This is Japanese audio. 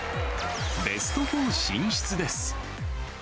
ベスト４進出です。